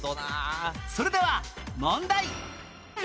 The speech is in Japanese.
それでは問題